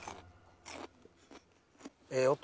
ええ音！